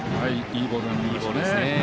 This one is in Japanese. いいボールです。